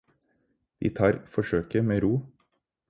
De tar forsøket med ro.